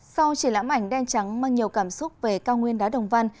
sau triển lãm ảnh đen trắng mang nhiều cảm xúc về cao nguyên đá đồng văn